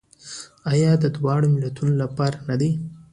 آیا د دواړو ملتونو لپاره نه ده؟